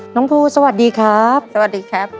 น้องภูสวัสดีครับสวัสดีครับ